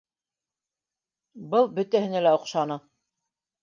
Был бөтәһенә лә оҡшаны